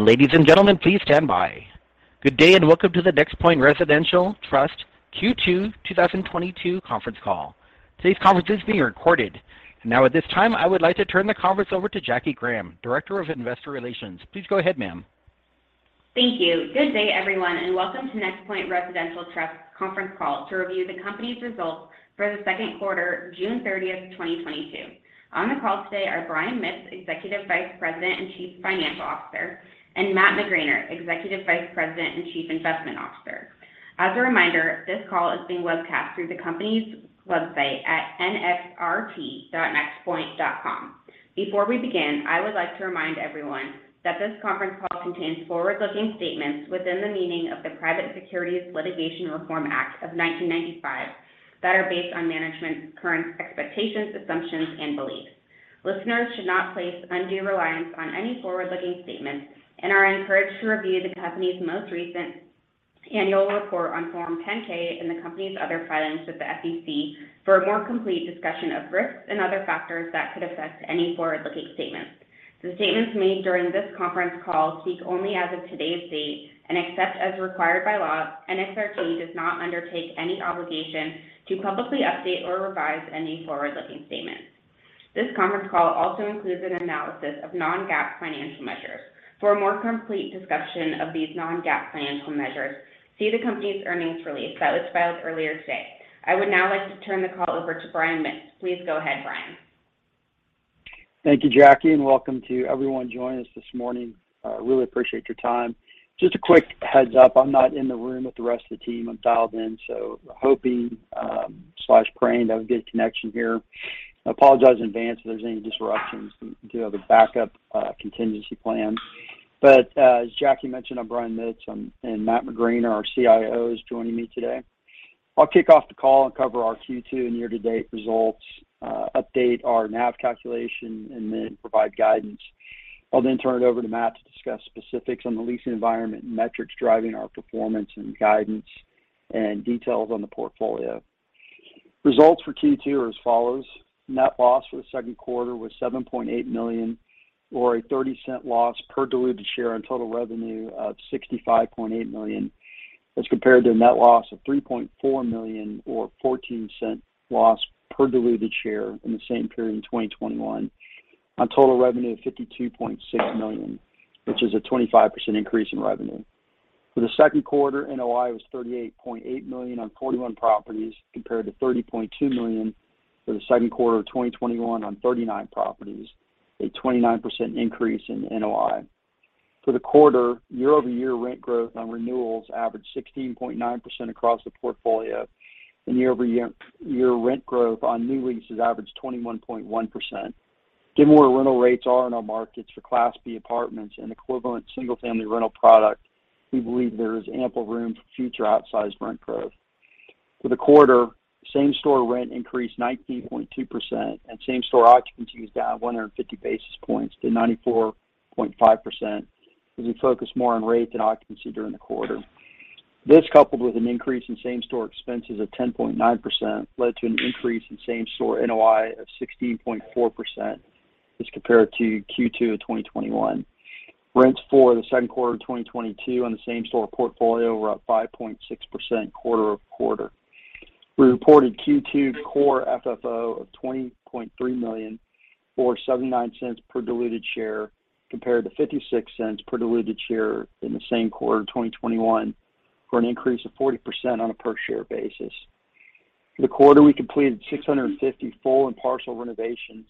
Ladies and gentlemen, please stand by. Good day, and welcome to the NexPoint Residential Trust Q2 2022 conference call. Today's conference is being recorded. Now, at this time I would like to turn the conference over to Jackie Graham, Director of Investor Relations. Please go ahead, ma'am. Thank you. Good day, everyone, and welcome to NexPoint Residential Trust conference call to review the company's results for the second quarter, June 30, 2022. On the call today are Brian Mitts, Executive Vice President and Chief Financial Officer, and Matt McGraner, Executive Vice President and Chief Investment Officer. As a reminder, this call is being webcast through the company's website at nxrt.nexpoint.com. Before we begin, I would like to remind everyone that this conference call contains forward-looking statements within the meaning of the Private Securities Litigation Reform Act of 1995 that are based on management's current expectations, assumptions, and beliefs. Listeners should not place undue reliance on any forward-looking statements and are encouraged to review the company's most recent annual report on Form 10-K and the company's other filings with the SEC for a more complete discussion of risks and other factors that could affect any forward-looking statements. The statements made during this conference call speak only as of today's date, and except as required by law, NXRT does not undertake any obligation to publicly update or revise any forward-looking statement. This conference call also includes an analysis of non-GAAP financial measures. For a more complete discussion of these non-GAAP financial measures, see the company's earnings release that was filed earlier today. I would now like to turn the call over to Brian Mitts. Please go ahead, Brian. Thank you, Jackie, and welcome to everyone joining us this morning. Really appreciate your time. Just a quick heads-up, I'm not in the room with the rest of the team. I'm dialed in, so hoping/praying that we have a good connection here. I apologize in advance if there's any disruptions. We do have a backup, contingency plan. As Jackie mentioned, I'm Brian Mitts. Matt McGraner, our CIO, is joining me today. I'll kick off the call and cover our Q2 and year-to-date results, update our NAV calculation, and then provide guidance. I'll then turn it over to Matt to discuss specifics on the leasing environment and metrics driving our performance and guidance and details on the portfolio. Results for Q2 are as follows. Net loss for the second quarter was $7.8 million, or a $0.30 loss per diluted share on total revenue of $65.8 million, as compared to a net loss of $3.4 million, or $0.14 loss per diluted share in the same period in 2021 on total revenue of $52.6 million, which is a 25% increase in revenue. For the second quarter, NOI was $38.8 million on 41 properties compared to $30.2 million for the second quarter of 2021 on 39 properties, a 29% increase in NOI. For the quarter, year-over-year rent growth on renewals averaged 16.9% across the portfolio, and year-over-year rent growth on new leases averaged 21.1%. Given where rental rates are in our markets for Class B apartments and equivalent single-family rental product, we believe there is ample room for future outsized rent growth. For the quarter, same-store rent increased 19.2% and same-store occupancy was down 150 basis points to 94.5% as we focused more on rate than occupancy during the quarter. This, coupled with an increase in same-store expenses of 10.9% led to an increase in same-store NOI of 16.4% as compared to Q2 of 2021. Rents for the second quarter of 2022 on the same-store portfolio were up 5.6% quarter-over-quarter. We reported Q2 core FFO of $20.3 million or $0.79 per diluted share compared to $0.56 per diluted share in the same quarter of 2021 for an increase of 40% on a per-share basis. For the quarter, we completed 650 full and partial renovations,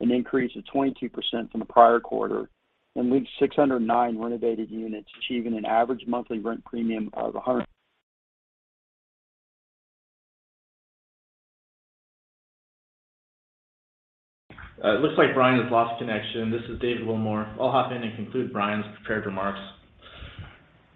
an increase of 22% from the prior quarter, and leased 609 renovated units, achieving an average monthly rent premium of a hundred It looks like Brian has lost connection. This is David Willmore. I'll hop in and conclude Brian's prepared remarks.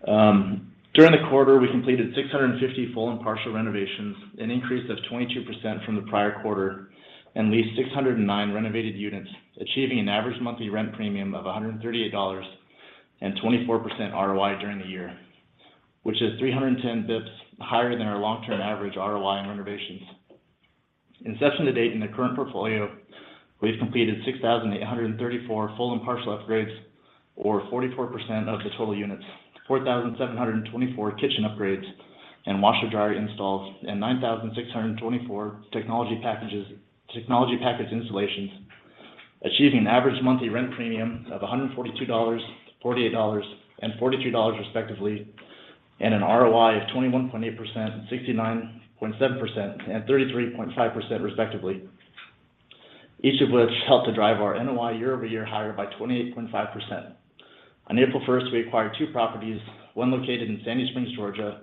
During the quarter, we completed 650 full and partial renovations, an increase of 22% from the prior quarter, and leased 609 renovated units, achieving an average monthly rent premium of $138 and 24% ROI during the year, which is 310 BPS higher than our long-term average ROI on renovations. Inception to date in the current portfolio, we've completed 6,834 full and partial upgrades, or 44% of the total units, 4,724 kitchen upgrades and washer/dryer installs, and 9,624 technology package installations, achieving an average monthly rent premium of $142, $48, and $43 respectively, and an ROI of 21.8% and 69.7% and 33.5% respectively, each of which helped to drive our NOI year-over-year higher by 28.5%. On April first, we acquired two properties, one located in Sandy Springs, Georgia,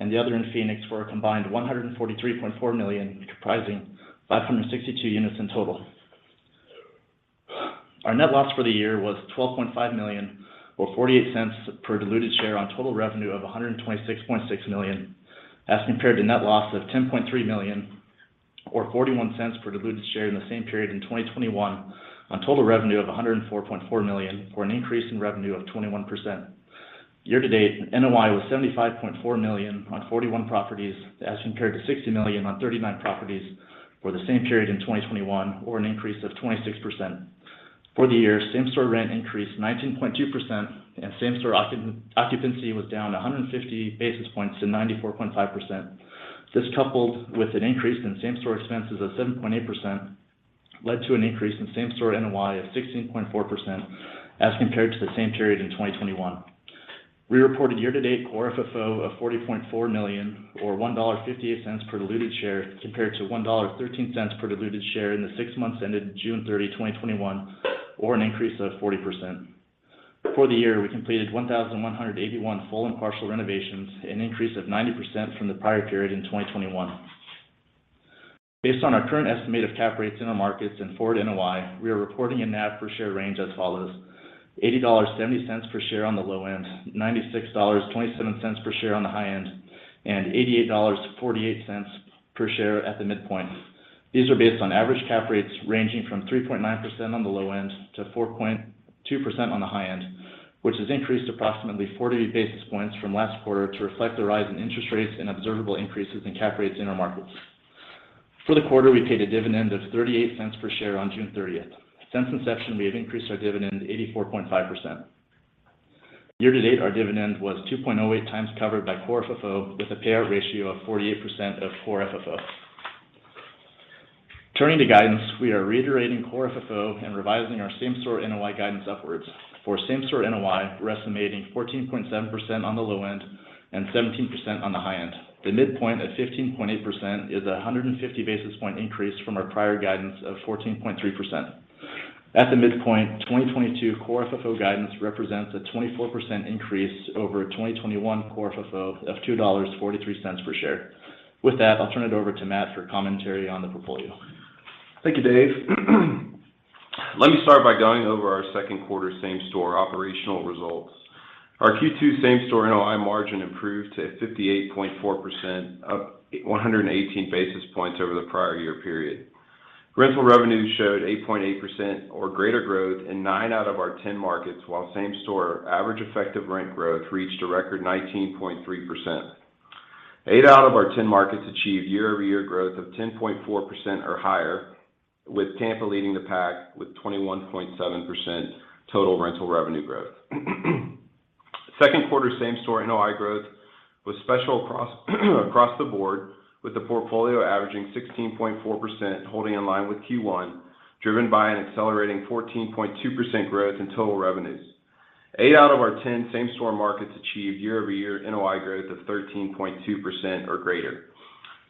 and the other in Phoenix, for a combined $143.4 million, comprising 562 units in total. Our net loss for the year was $12.5 million or $0.48 per diluted share on total revenue of $126.6 million as compared to net loss of $10.3 million or $0.41 per diluted share in the same period in 2021 on total revenue of $104.4 million or an increase in revenue of 21%. Year-to-date, NOI was $75.4 million on 41 properties as compared to $60 million on 39 properties for the same period in 2021, or an increase of 26%. For the year, same-store rent increased 19.2% and same-store occupancy was down 150 basis points to 94.5%. This coupled with an increase in same-store expenses of 7.8% led to an increase in same-store NOI of 16.4% as compared to the same period in 2021. We reported year-to-date core FFO of $40.4 million, or $1.58 per diluted share, compared to $1.13 per diluted share in the six months ended June 30, 2021, or an increase of 40%. For the year, we completed 1,181 full and partial renovations, an increase of 90% from the prior period in 2021. Based on our current estimate of cap rates in our markets and forward NOI, we are reporting a NAV per share range as follows. $80.70 per share on the low end, $96.27 per share on the high end, and $88.48 per share at the midpoint. These are based on average cap rates ranging from 3.9% on the low end to 4.2% on the high end, which has increased approximately 40 basis points from last quarter to reflect the rise in interest rates and observable increases in cap rates in our markets. For the quarter, we paid a dividend of $0.38 per share on June 30. Since inception, we have increased our dividend 84.5%. Year-to-date, our dividend was 2.08x covered by core FFO, with a payout ratio of 48% of core FFO. Turning to guidance, we are reiterating core FFO and revising our same-store NOI guidance upwards. For same-store NOI, we're estimating 14.7% on the low end and 17% on the high end. The midpoint at 15.8% is a 150 basis point increase from our prior guidance of 14.3%. At the midpoint, 2022 core FFO guidance represents a 24% increase over 2021 core FFO of $2.43 per share. With that, I'll turn it over to Matt for commentary on the portfolio. Thank you, Dave. Let me start by going over our second quarter same-store operational results. Our Q2 same-store NOI margin improved to 58.4%, up 118 basis points over the prior year period. Rental revenues showed 8.8% or greater growth in nine out of our 10 markets, while same-store average effective rent growth reached a record 19.3%. 8 out of our 10 markets achieved year-over-year growth of 10.4% or higher, with Tampa leading the pack with 21.7% total rental revenue growth. Second quarter same-store NOI growth was special across the board, with the portfolio averaging 16.4%, holding in line with Q1, driven by an accelerating 14.2% growth in total revenues. Eight out of our 10 same-store markets achieved year-over-year NOI growth of 13.2% or greater.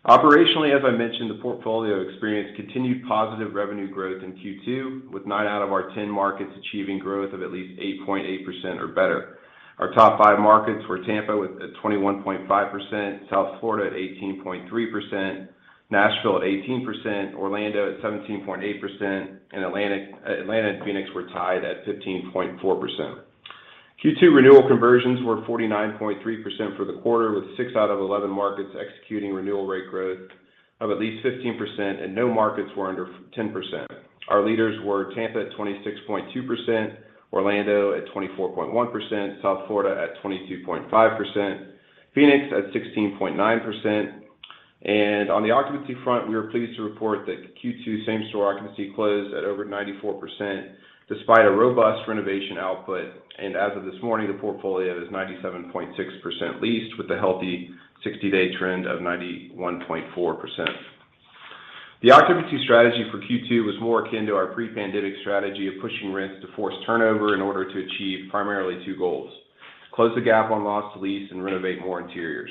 Operationally, as I mentioned, the portfolio experienced continued positive revenue growth in Q2, with nine out of our 10 markets achieving growth of at least 8.8% or better. Our top five markets were Tampa at 21.5%, South Florida at 18.3%, Nashville at 18%, Orlando at 17.8%, and Atlanta and Phoenix were tied at 15.4%. Q2 renewal conversions were 49.3% for the quarter, with six out of 11 markets executing renewal rate growth of at least 15% and no markets were under 10%. Our leaders were Tampa at 26.2%, Orlando at 24.1%, South Florida at 22.5%, Phoenix at 16.9%. On the occupancy front, we are pleased to report that Q2 same-store occupancy closed at over 94% despite a robust renovation output. As of this morning, the portfolio is 97.6% leased with a healthy 60-day trend of 91.4%. The occupancy strategy for Q2 was more akin to our pre-pandemic strategy of pushing rents to force turnover in order to achieve primarily two goals, close the gap on loss to lease and renovate more interiors.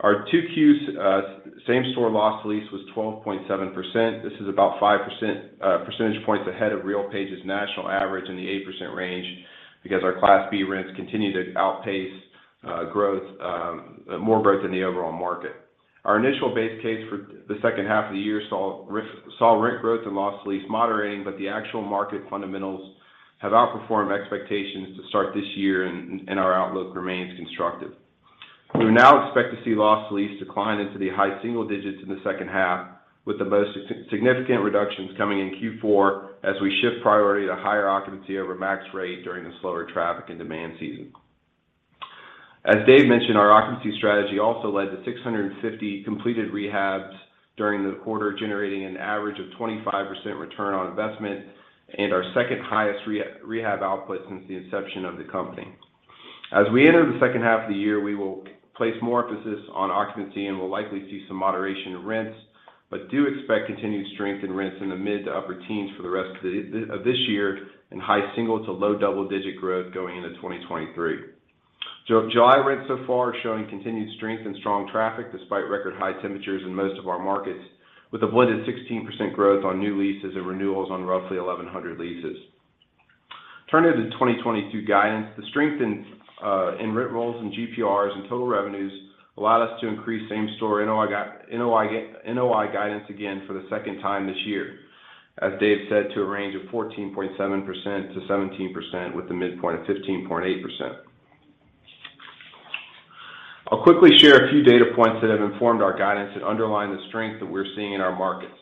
Our Q2's same-store loss to lease was 12.7%. This is about 5% percentage points ahead of RealPage's national average in the 8% range because our Class B rents continue to outpace more growth in the overall market. Our initial base case for the second half of the year saw rent growth and loss to lease moderating, but the actual market fundamentals have outperformed expectations to start this year and our outlook remains constructive. We now expect to see loss to lease decline into the high single digits in the second half, with the most significant reductions coming in Q4 as we shift priority to higher occupancy over max rate during the slower traffic and demand season. As David mentioned, our occupancy strategy also led to 650 completed rehabs during the quarter, generating an average of 25% return on investment, and our second highest rehab output since the inception of the company. As we enter the second half of the year, we will place more emphasis on occupancy and will likely see some moderation in rents, but do expect continued strength in rents in the mid to upper teens for the rest of this year and high single to low double-digit growth going into 2023. July rents so far are showing continued strength and strong traffic despite record high temperatures in most of our markets, with a blended 16% growth on new leases and renewals on roughly 1,100 leases. Turning to the 2022 guidance, the strength in rent rolls and GPRs and total revenues allowed us to increase same-store NOI guidance again for the second time this year, as Dave said, to a range of 14.7%-17% with a midpoint of 15.8%. I'll quickly share a few data points that have informed our guidance that underline the strength that we're seeing in our markets.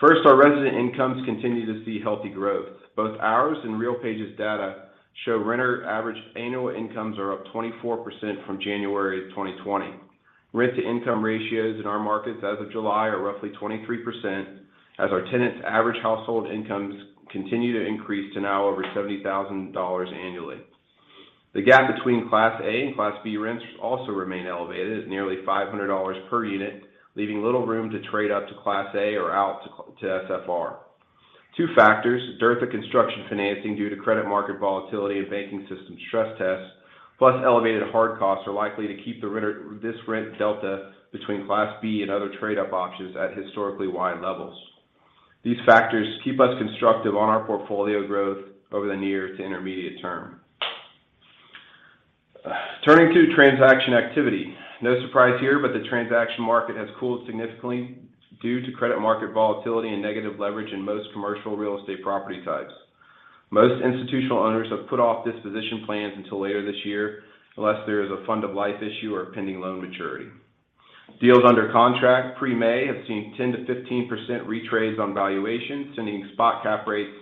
First, our resident incomes continue to see healthy growth. Both ours and RealPage's data show renter average annual incomes are up 24% from January of 2020. Rent-to-income ratios in our markets as of July are roughly 23%, as our tenants' average household incomes continue to increase to now over $70,000 annually. The gap between Class A and Class B rents also remain elevated at nearly $500 per unit, leaving little room to trade up to Class A or out to SFR. Two factors, dearth of construction financing due to credit market volatility and banking system stress tests, plus elevated hard costs, are likely to keep the rent delta between Class B and other trade up options at historically wide levels. These factors keep us constructive on our portfolio growth over the near to intermediate term. Turning to transaction activity. No surprise here, but the transaction market has cooled significantly due to credit market volatility and negative leverage in most commercial real estate property types. Most institutional owners have put off disposition plans until later this year, unless there is a fund of life issue or a pending loan maturity. Deals under contract pre-May have seen 10%-15% re-trades on valuations, sending spot cap rates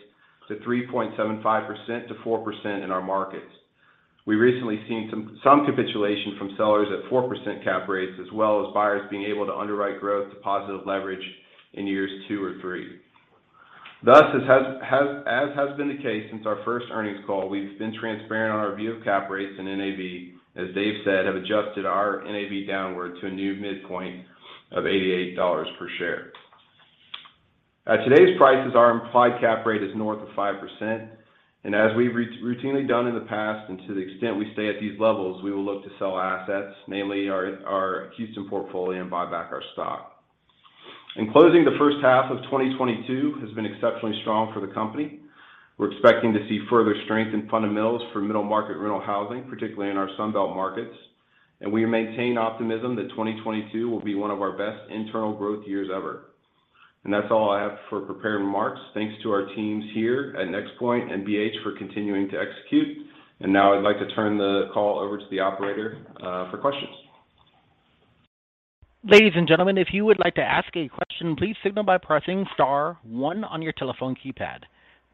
to 3.75%-4% in our markets. We've recently seen some capitulation from sellers at 4% cap rates, as well as buyers being able to underwrite growth to positive leverage in years two or three. Thus, as has been the case since our first earnings call, we've been transparent on our view of cap rates and NAV. As Dave said, have adjusted our NAV downward to a new midpoint of $88 per share. At today's prices, our implied cap rate is north of 5%, and as we've routinely done in the past, and to the extent we stay at these levels, we will look to sell assets, namely our Houston portfolio, and buy back our stock. In closing, the first half of 2022 has been exceptionally strong for the company. We're expecting to see further strength in fundamentals for middle-market rental housing, particularly in our Sun Belt markets, and we maintain optimism that 2022 will be one of our best internal growth years ever. That's all I have for prepared remarks. Thanks to our teams here at NexPoint and BH for continuing to execute. Now I'd like to turn the call over to the operator for questions. Ladies and gentlemen, if you would like to ask a question, please signal by pressing star one on your telephone keypad.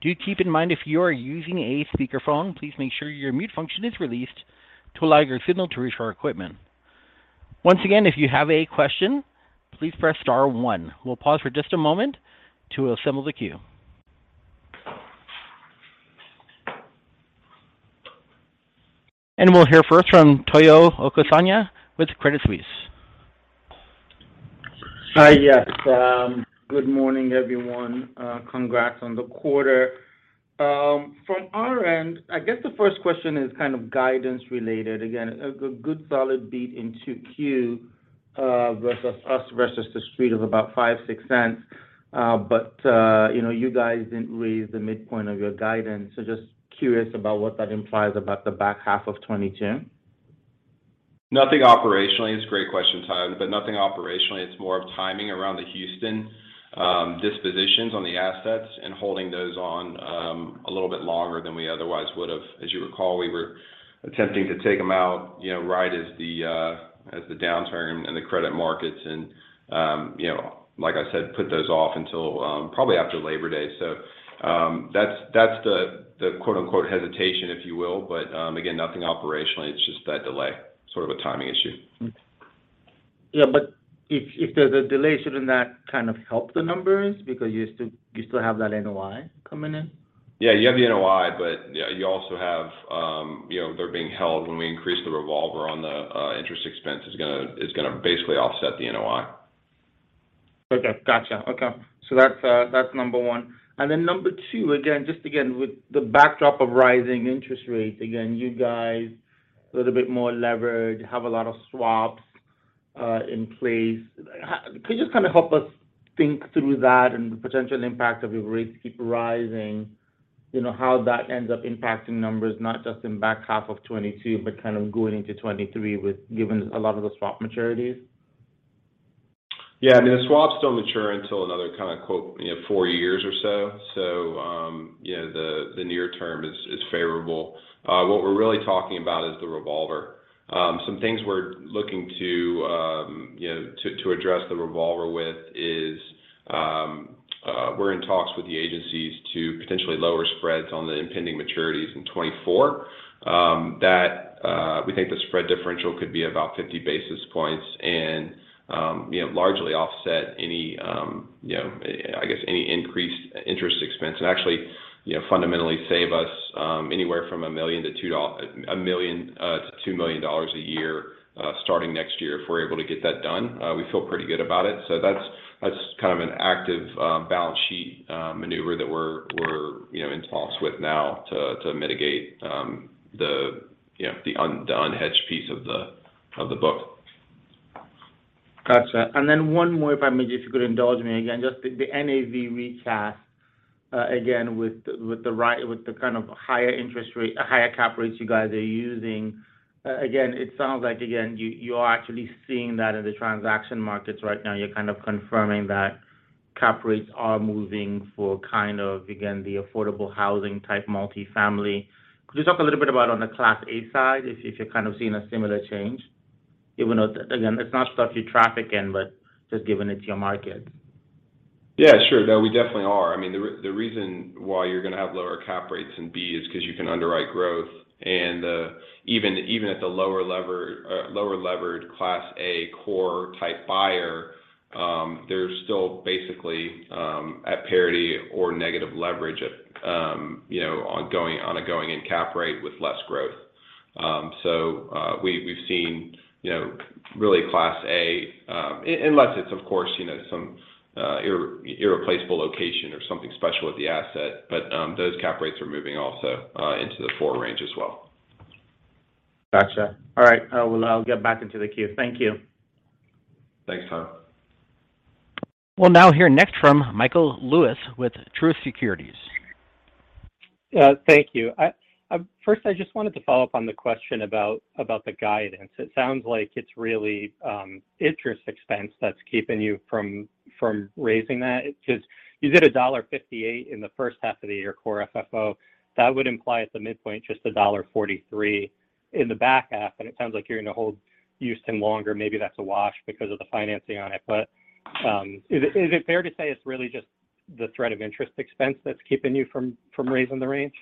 Do keep in mind if you are using a speakerphone, please make sure your mute function is released to allow your signal to reach our equipment. Once again, if you have a question, please press star one. We'll pause for just a moment to assemble the queue. We'll hear first from Omotayo Okusanya with Credit Suisse. Good morning, everyone. Congrats on the quarter. From our end, I guess the first question is kind of guidance related. Again, a good solid beat in Q2 versus The Street of about $0.05-$0.06. You know, you guys didn't raise the midpoint of your guidance, so just curious about what that implies about the back half of 2022. Nothing operationally. It's a great question, Tayo, but nothing operationally. It's more of timing around the Houston dispositions on the assets and holding those on a little bit longer than we otherwise would have. As you recall, we were attempting to take them out, you know, right as the downturn in the credit markets and, you know, like I said, put those off until probably after Labor Day. That's the quote-unquote hesitation, if you will, but again, nothing operationally, it's just that delay, sort of a timing issue. Yeah. If there's a delay, shouldn't that kind of help the numbers because you still have that NOI coming in? Yeah, you have the NOI, but you also have, you know, they're being held. When we increase the revolver on the interest expense, it's gonna basically offset the NOI. Okay. Gotcha. Okay. That's number one. Number two, again, just with the backdrop of rising interest rates. Again, you guys a little bit more levered, have a lot of swaps in place. Could you just kind of help us think through that and the potential impact of if rates keep rising, you know, how that ends up impacting numbers, not just in back half of 2022, but kind of going into 2023 with given a lot of the swap maturities? Yeah. I mean, the swaps don't mature until another, kind of quote, you know, four years or so. You know, the near term is favorable. What we're really talking about is the revolver. Some things we're looking to, you know, to address the revolver with is, we're in talks with the agencies to potentially lower spreads on the impending maturities in 2024. That, we think the spread differential could be about 50 basis points and, you know, largely offset any, you know, I guess, any increased interest expense. Actually, you know, fundamentally save us, anywhere from $1 million to $2 million a year, starting next year if we're able to get that done. We feel pretty good about it. That's kind of an active balance sheet maneuver that we're, you know, in talks with now to mitigate, you know, the unhedged piece of the book. Gotcha. One more, if I may, if you could indulge me again, just the NAV recast, again, with the kind of higher interest rate, higher cap rates you guys are using. Again, it sounds like, again, you are actually seeing that in the transaction markets right now. You're kind of confirming that. Cap rates are moving for kind of, again, the affordable housing type multi-family. Could you talk a little bit about on the Class A side if you're kind of seeing a similar change? Even though, again, it's not stuff you traffic in, but just given it's your market. Yeah, sure. No, we definitely are. I mean, the reason why you're gonna have lower cap rates in Class B is because you can underwrite growth. Even at the lower levered Class A core type buyer, they're still basically at parity or negative leverage at, you know, on a going-in cap rate with less growth. We've seen, you know, really Class A, unless it's of course, you know, some irreplaceable location or something special with the asset. Those cap rates are moving also into the four range as well. Gotcha. All right. Well, I'll get back into the queue. Thank you. Thanks, Tayo. We'll now hear next from Michael Lewis with Truist Securities. Thank you. First, I just wanted to follow up on the question about the guidance. It sounds like it's really interest expense that's keeping you from raising that. Just you did $1.58 in the first half of the year core FFO. That would imply at the midpoint just $1.43 in the back half, and it sounds like you're gonna hold Houston longer. Maybe that's a wash because of the financing on it. Is it fair to say it's really just the threat of interest expense that's keeping you from raising the range?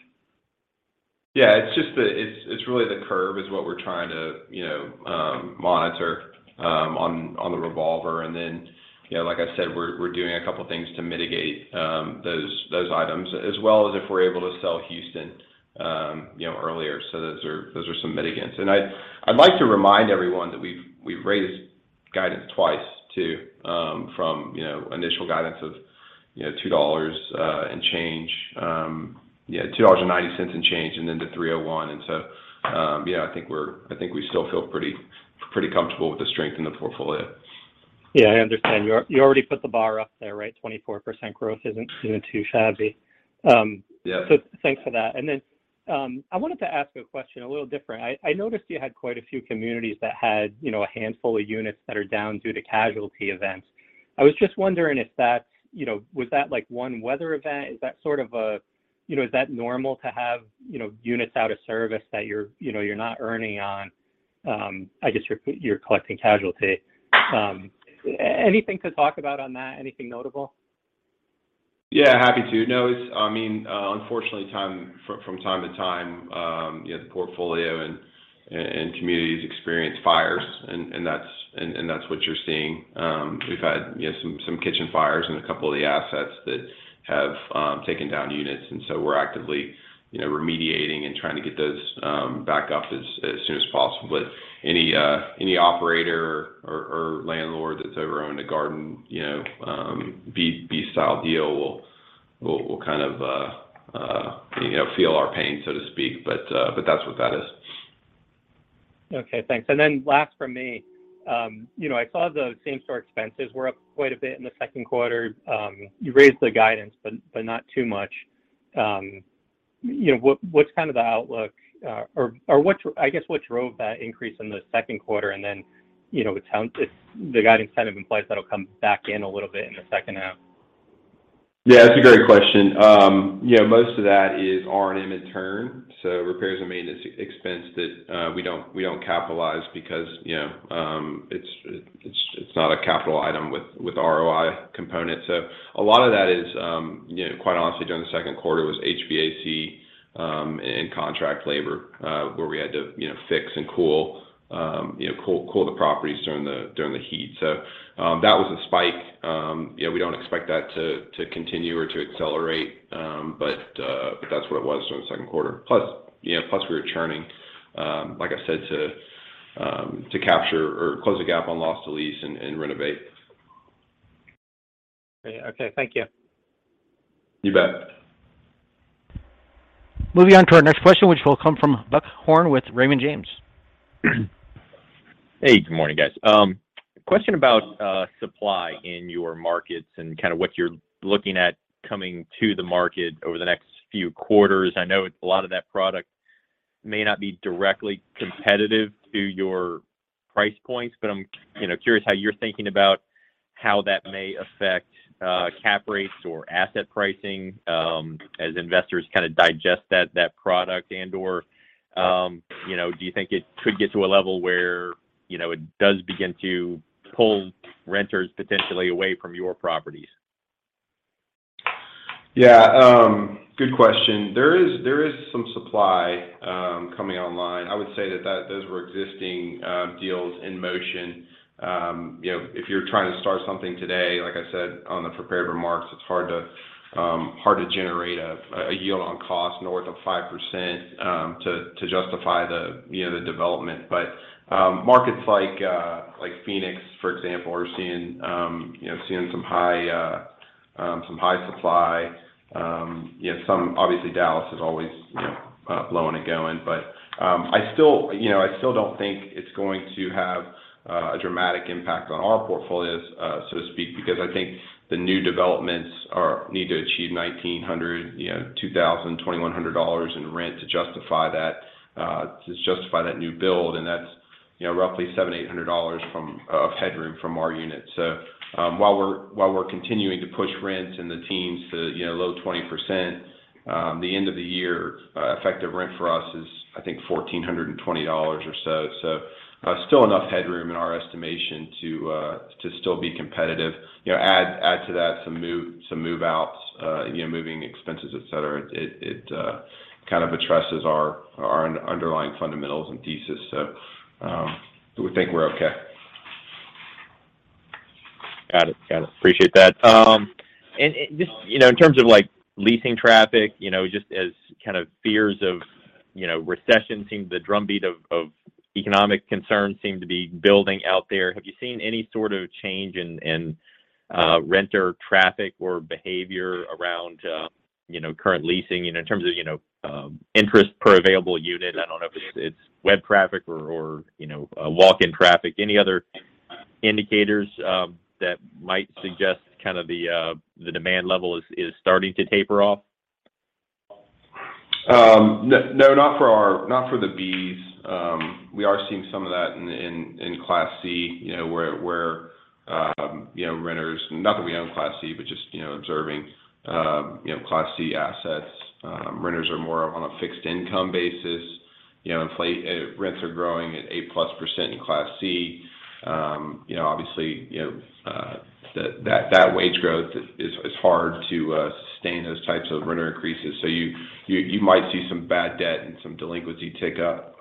Yeah. It's just that it's really the curve is what we're trying to, you know, monitor on the revolver. Then, you know, like I said, we're doing a couple things to mitigate those items as well as if we're able to sell Houston, you know, earlier. Those are some mitigants. I'd like to remind everyone that we've raised guidance twice too from, you know, initial guidance of, you know, $2 and change. Yeah, $2.90 and change, and then to $3.01. Yeah, I think we still feel pretty comfortable with the strength in the portfolio. Yeah, I understand. You already put the bar up there, right? 24% growth isn't even too shabby. Yeah. Thanks for that. I wanted to ask a question a little different. I noticed you had quite a few communities that had a handful of units that are down due to casualty events. I was just wondering if that was like one weather event. Is that normal to have units out of service that you're not earning on. I guess you're collecting casualty. Anything to talk about on that. Anything notable. Yeah, happy to. No, it's, I mean, unfortunately, from time to time, you know, the portfolio and communities experience fires and that's what you're seeing. We've had, you know, some kitchen fires in a couple of the assets that have taken down units, and so we're actively, you know, remediating and trying to get those back up as soon as possible. Any operator or landlord that's ever owned a garden, you know, B-style deal will kind of, you know, feel our pain, so to speak. That's what that is. Okay, thanks. Last from me, you know, I saw the same store expenses were up quite a bit in the second quarter. You raised the guidance, but not too much. You know, what's kind of the outlook, or what drove that increase in the second quarter? You know, it sounds it's the guidance kind of implies that'll come back in a little bit in the second half. Yeah, that's a great question. You know, most of that is R&M and turn, so repairs and maintenance expense that we don't capitalize because, you know, it's not a capital item with ROI component. So a lot of that is, you know, quite honestly during the second quarter was HVAC and contract labor, where we had to, you know, fix and cool the properties during the heat. So that was a spike. You know, we don't expect that to continue or to accelerate. But that's what it was during the second quarter. Plus, you know, plus we were churning, like I said, to capture or close the gap on loss to lease and renovate. Great. Okay, thank you. You bet. Moving on to our next question, which will come from Buck Horne with Raymond James. Hey, good morning, guys. Question about supply in your markets and kind of what you're looking at coming to the market over the next few quarters. I know a lot of that product may not be directly competitive to your price points, but I'm, you know, curious how you're thinking about how that may affect cap rates or asset pricing as investors kind of digest that product. Do you think it could get to a level where, you know, it does begin to pull renters potentially away from your properties? Yeah, good question. There is some supply coming online. I would say that those were existing deals in motion. You know, if you're trying to start something today, like I said on the prepared remarks, it's hard to generate a yield on cost north of 5% to justify the development. Markets like Phoenix for example are seeing you know some high supply. You know, obviously Dallas is always you know blowing and going. I still, you know, don't think it's going to have a dramatic impact on our portfolios, so to speak, because I think the new developments need to achieve $1,900, you know, $2,000 and $2,100 in rent to justify that, to justify that new build. That's, you know, roughly $700-$800 of headroom from our unit. While we're continuing to push rent and the teams to, you know, low 20%, the end of the year effective rent for us is, I think, $1,420 or so. Still enough headroom in our estimation to still be competitive. You know, add to that some move-outs, you know, moving expenses, et cetera. It kind of addresses our underlying fundamentals and thesis. We think we're okay. Got it. Appreciate that. Just, you know, in terms of like leasing traffic, you know, just as kind of fears of recession seem the drumbeat of economic concern seem to be building out there, have you seen any sort of change in renter traffic or behavior around you know current leasing in terms of you know interest per available unit? I don't know if it's web traffic or you know walk-in traffic. Any other indicators that might suggest kind of the demand level is starting to taper off? No, not for the B's. We are seeing some of that in Class C, you know, where, not that we own Class C, but just, you know, observing Class C assets. Renters are more on a fixed income basis. You know, rents are growing at 8% plus in Class C. You know, obviously, you know, that wage growth is hard to sustain those types of renter increases. You might see some bad debt and some delinquency tick up,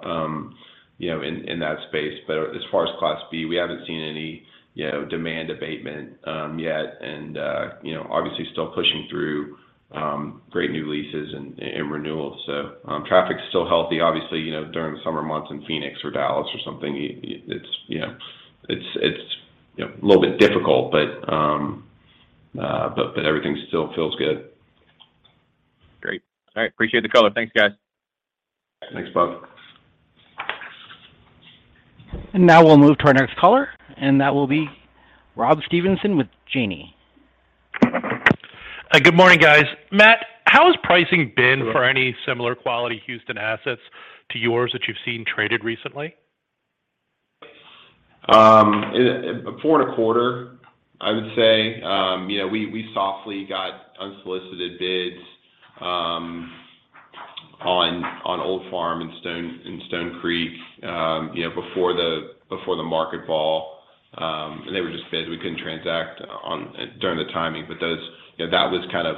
you know, in that space. But as far as Class B, we haven't seen any, you know, demand abatement yet. You know, obviously still pushing through great new leases and renewals. Traffic's still healthy. Obviously, you know, during the summer months in Phoenix or Dallas or something, it's, you know, a little bit difficult, but everything still feels good. Great. All right. Appreciate the color. Thanks, guys. Thanks, Buck.. Now we'll move to our next caller, and that will be Robert Stevenson with Janney. Good morning, guys. Matt, how has pricing been for any similar quality Houston assets to yours that you've seen traded recently? 4.25%, I would say. You know, we sort of got unsolicited bids on Old Farm and Stone Creek, you know, before the market fall. They were just bids. We couldn't transact during the timing. Those, you know, that was kind of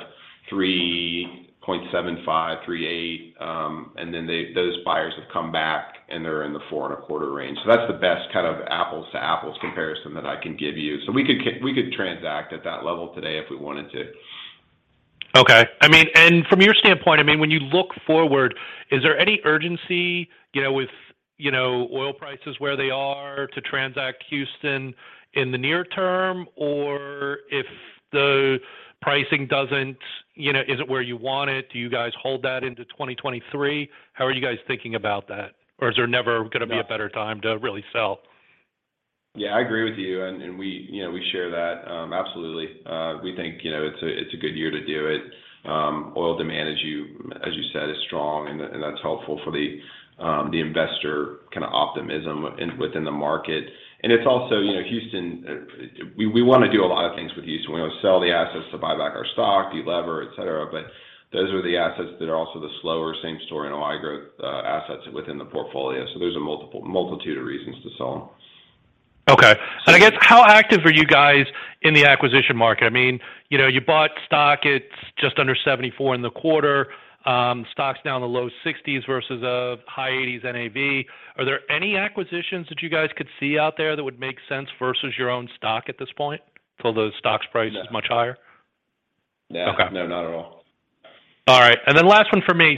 3.75%-3.8%. Those buyers have come back, and they're in the 4.25% range. That's the best kind of apples to apples comparison that I can give you. We could transact at that level today if we wanted to. Okay. I mean, and from your standpoint, I mean, when you look forward, is there any urgency, you know, with, you know, oil prices where they are to transact Houston in the near term? Or if the pricing doesn't, you know, isn't where you want it, do you guys hold that into 2023? How are you guys thinking about that? Or is there never gonna be a better time to really sell? Yeah, I agree with you. We you know share that absolutely. We think you know it's a good year to do it. Oil demand, as you said, is strong and that's helpful for the investor kind of optimism within the market. It's also you know Houston. We wanna do a lot of things with Houston. We wanna sell the assets to buy back our stock, de-lever, et cetera, but those are the assets that are also the slower same-store NOI growth assets within the portfolio. There's a multitude of reasons to sell them. Okay. I guess how active are you guys in the acquisition market? I mean, you know, you bought stock, it's just under $74 in the quarter. Stock's now in the low $60s versus a high $80s NAV. Are there any acquisitions that you guys could see out there that would make sense versus your own stock at this point till the stock's price is much higher? No. Okay. No, not at all. All right. Last one for me.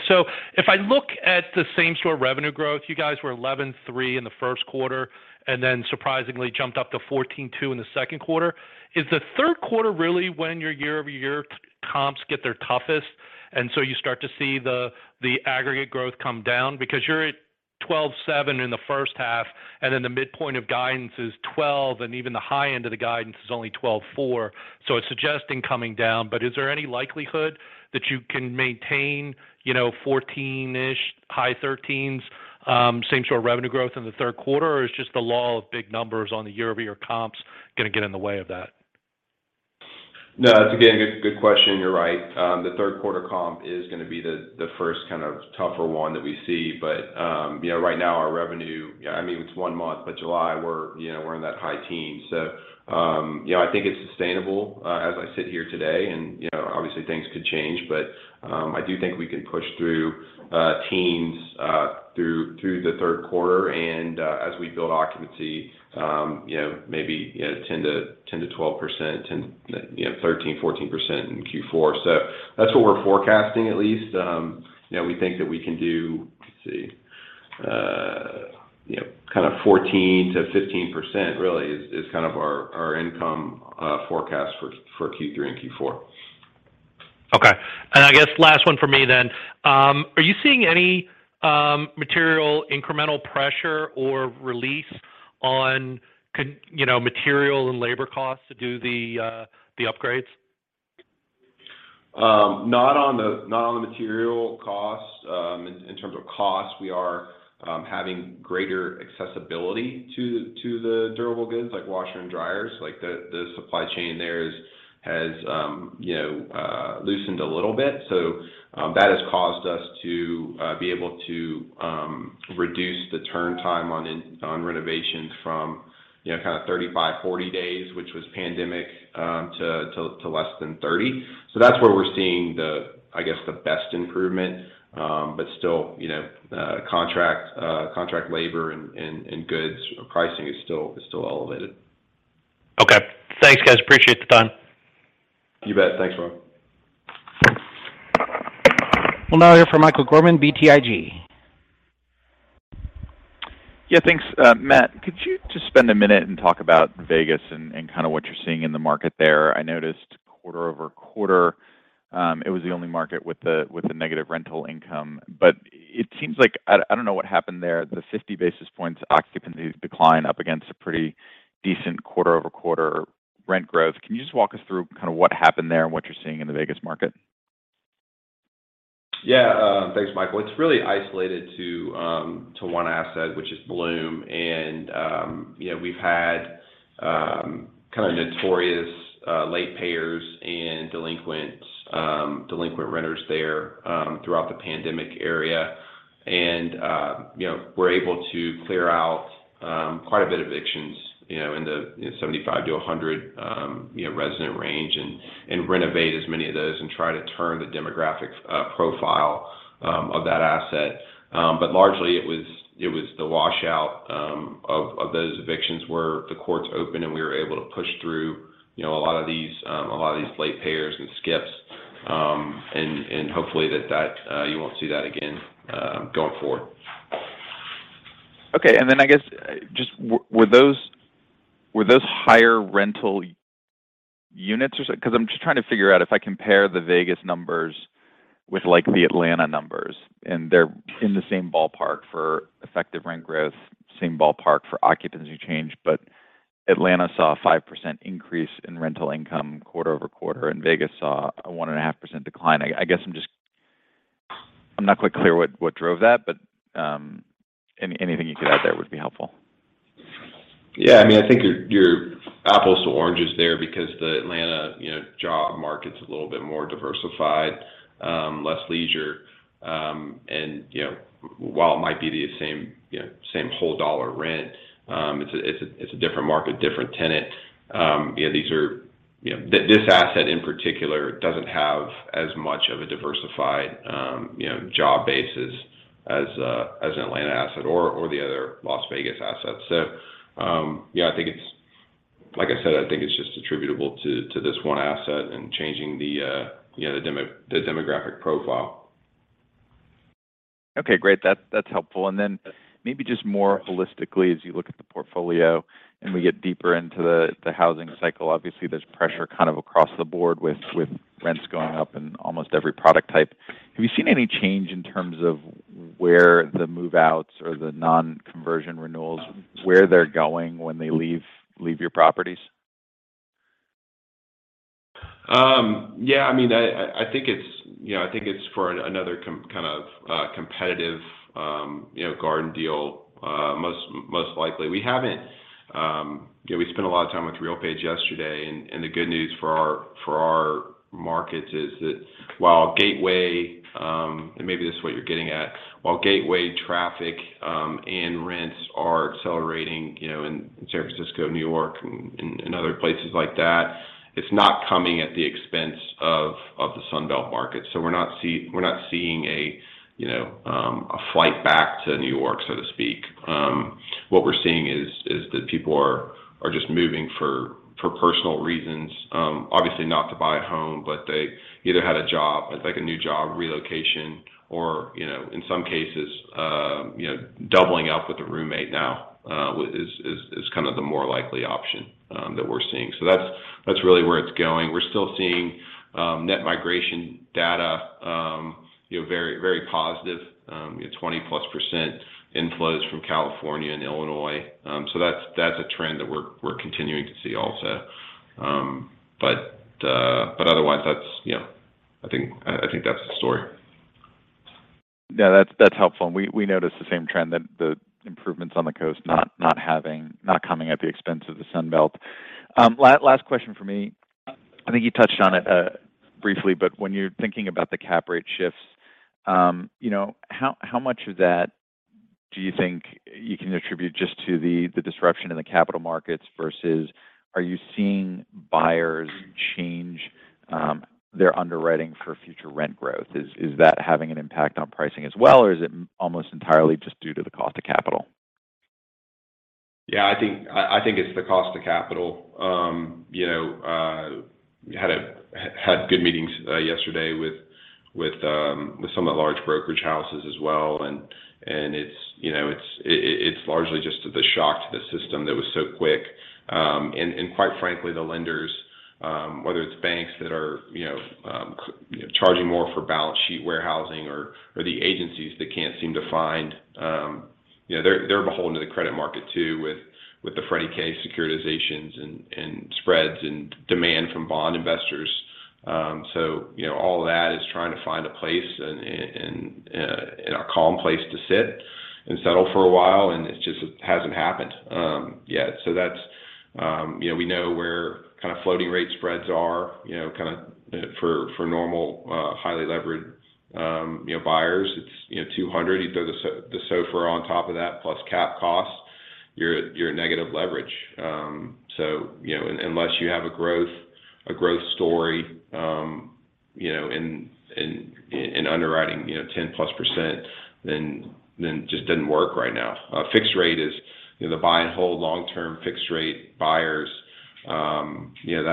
If I look at the same store revenue growth, you guys were 11.3% in the first quarter, and then surprisingly jumped up to 14.2% in the second quarter. Is the third quarter really when your year-over-year comps get their toughest, and so you start to see the aggregate growth come down? Because you're at 12.7% in the first half, and then the midpoint of guidance is 12%, and even the high end of the guidance is only 12.4%. It's suggesting coming down. Is there any likelihood that you can maintain, you know, 14-ish, high 13s same store revenue growth in the third quarter, or is just the law of big numbers on the year-over-year comps gonna get in the way of that? No, that's a good question. You're right. The third quarter comp is gonna be the first kind of tougher one that we see. You know, right now our revenue. I mean, it's one month, but July we're, you know, in that high teens. You know, I think it's sustainable as I sit here today and, you know, obviously things could change, but I do think we can push through teens through the third quarter and, as we build occupancy, you know, maybe, you know, 10%-12%, you know, 13%-14% in Q4. That's what we're forecasting at least. You know, we think that we can do, let's see, you know, kind of 14%-15% really is kind of our income forecast for Q3 and Q4. Okay. I guess last one for me then. Are you seeing any material incremental pressure or release on, you know, material and labor costs to do the upgrades? Not on the material costs. In terms of costs, we are having greater accessibility to the durable goods, like washers and dryers. Like, the supply chain there has you know loosened a little bit. That has caused us to be able to reduce the turn time on renovations from you know kind of 35-40 days, which was pandemic, to less than 30. That's where we're seeing I guess the best improvement. Still, you know, contract labor and goods pricing is still elevated. Okay. Thanks, guys. Appreciate the time. You bet. Thanks, Rob. Thanks. We'll now hear from Michael Gorman, BTIG. Yeah, thanks. Matt, could you just spend a minute and talk about Vegas and kind of what you're seeing in the market there? I noticed quarter-over-quarter, it was the only market with a negative rental income. It seems like I don't know what happened there. The 50 basis points occupancy decline up against a pretty decent quarter-over-quarter rent growth. Can you just walk us through kind of what happened there and what you're seeing in the Vegas market? Yeah. Thanks, Michael. It's really isolated to one asset, which is Bloom. You know, we've had kind of notorious late payers and delinquent renters there throughout the pandemic era. You know, we're able to clear out quite a bit evictions, you know, in the 75-100 resident range and renovate as many of those and try to turn the demographic profile of that asset. But largely it was the washout of those evictions where the courts opened and we were able to push through a lot of these late payers and skips. Hopefully that you won't see that again going forward. Okay. I guess just were those higher rental units or 'cause I'm just trying to figure out if I compare the Vegas numbers with like the Atlanta numbers, and they're in the same ballpark for effective rent growth, same ballpark for occupancy change. But Atlanta saw a 5% increase in rental income quarter-over-quarter, and Vegas saw a 1.5% decline. I guess I'm just not quite clear what drove that, but anything you could add there would be helpful. Yeah. I mean, I think you're apples to oranges there because the Atlanta, you know, job market's a little bit more diversified, less leisure. You know, while it might be the same, you know, same whole dollar rent, it's a different market, different tenant. You know, these are. You know, this asset in particular doesn't have as much of a diversified, you know, job base as an Atlanta asset or the other Las Vegas assets. So, yeah, I think it's. Like I said, I think it's just attributable to this one asset and changing the demographic profile. Okay, great. That's helpful. Then maybe just more holistically, as you look at the portfolio and we get deeper into the housing cycle, obviously there's pressure kind of across the board with rents going up in almost every product type. Have you seen any change in terms of where the move-outs or the non-conversion renewals, where they're going when they leave your properties? Yeah, I mean, I think it's, you know, I think it's for another kind of competitive, you know, garden deal, most likely. We spent a lot of time with RealPage yesterday, and the good news for our markets is that while gateway traffic and rents are accelerating, you know, in San Francisco, New York and other places like that, it's not coming at the expense of the Sun Belt market. We're not seeing a, you know, a flight back to New York, so to speak. What we're seeing is that people are just moving for personal reasons, obviously not to buy a home, but they either had a job, it's like a new job relocation or, you know, in some cases, you know, doubling up with a roommate now is kind of the more likely option that we're seeing. That's really where it's going. We're still seeing net migration data, you know, very positive, you know, 20% plus inflows from California and Illinois. That's a trend that we're continuing to see also. Otherwise that's, you know, I think that's the story. Yeah, that's helpful. We noticed the same trend that the improvements on the coast not coming at the expense of the Sun Belt. Last question from me. I think you touched on it briefly, but when you're thinking about the cap rate shifts, you know, how much of that do you think you can attribute just to the disruption in the capital markets versus are you seeing buyers change their underwriting for future rent growth? Is that having an impact on pricing as well? Or is it almost entirely just due to the cost of capital? Yeah, I think it's the cost of capital. You know, we had good meetings yesterday with somewhat large brokerage houses as well, and it's largely just the shock to the system that was so quick. Quite frankly, the lenders, whether it's banks that are charging more for balance sheet warehousing or the agencies that can't seem to find. You know, they're beholden to the credit market too, with the Freddie K securitizations and spreads and demand from bond investors. So, you know, all of that is trying to find a place and a calm place to sit and settle for a while, and it just hasn't happened yet. So that's. You know, we know where kind of floating rate spreads are, you know, kind of for normal, highly leveraged, you know, buyers. It's 200. You throw the SOFR on top of that plus cap costs, you're at negative leverage. You know, unless you have a growth story, you know, in underwriting, you know, 10% plus, then it just doesn't work right now. Fixed rate is, you know, the buy and hold long-term fixed rate buyers, you know,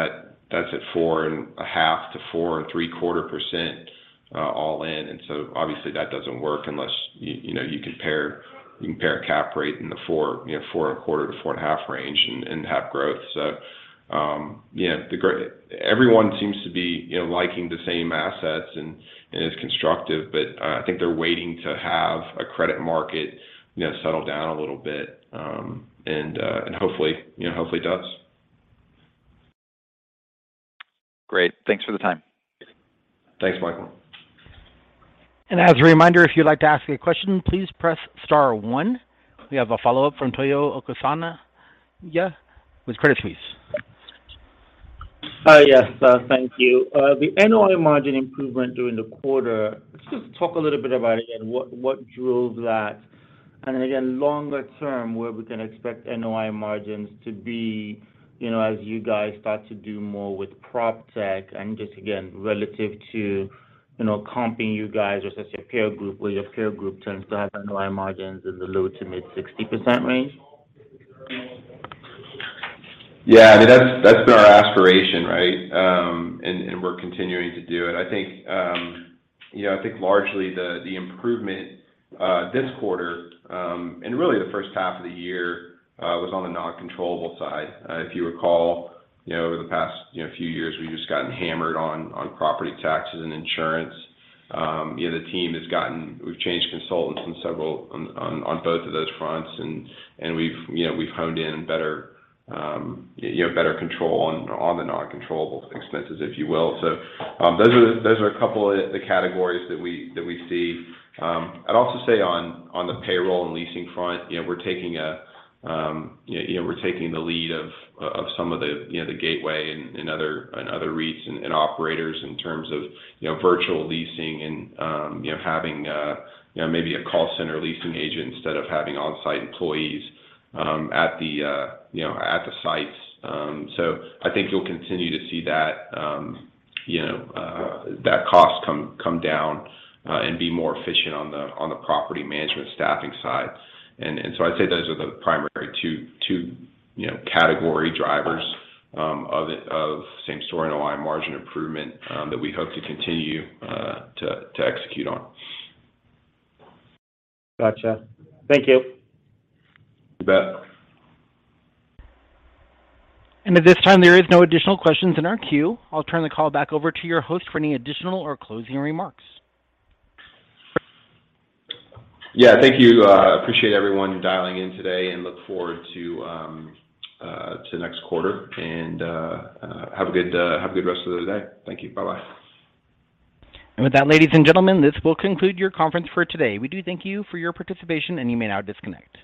that's at 4.5%-4.75%, all in. Obviously that doesn't work unless you know, you compare a cap rate in the 4.25%-4.5% range and have growth. Everyone seems to be, you know, liking the same assets and is constructive, but I think they're waiting to have a credit market, you know, settle down a little bit, and hopefully, you know, hopefully it does. Great. Thanks for the time. Thanks, Michael. As a reminder, if you'd like to ask a question, please press star one. We have a follow-up from Omotayo Okusanya with Credit Suisse. Yes, thank you. The NOI margin improvement during the quarter, let's just talk a little bit about, again, what drove that. Longer term, where we can expect NOI margins to be, you know, as you guys start to do more with PropTech and just, again, relative to, you know, comping you guys versus your peer group, while your peer group tends to have NOI margins in the low-to-mid 60% range? Yeah. I mean, that's been our aspiration, right? We're continuing to do it. I think you know, I think largely the improvement this quarter and really the first half of the year was on the non-controllable side. If you recall, you know, over the past few years, we've just gotten hammered on property taxes and insurance. You know, we've changed consultants on both of those fronts and we've you know, we've honed in better you know, better control on the non-controllable expenses, if you will. Those are a couple of the categories that we see. I'd also say on the payroll and leasing front, you know, we're taking the lead of some of the, you know, the Gateway and other REITs and operators in terms of, you know, virtual leasing and, you know, having, you know, maybe a call center leasing agent instead of having on-site employees, at the, you know, at the sites. So I think you'll continue to see that, you know, that cost come down, and be more efficient on the property management staffing side. I'd say those are the primary two, you know, category drivers, of same-store NOI margin improvement, that we hope to continue, to execute on. Gotcha. Thank you. You bet. At this time, there is no additional questions in our queue. I'll turn the call back over to your host for any additional or closing remarks. Yeah. Thank you. Appreciate everyone dialing in today and look forward to next quarter. Have a good rest of the day. Thank you. Bye-bye. With that, ladies and gentlemen, this will conclude your conference for today. We do thank you for your participation, and you may now disconnect.